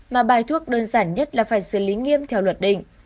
mà bài thuốc đơn giản nhất là phải xử lý nghiêm theo luật định